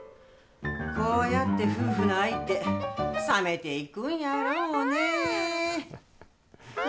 こうやって夫婦の愛って、冷めていくんやろうねぇ。